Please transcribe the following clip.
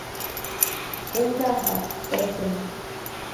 —Ҡул даһа, әфем!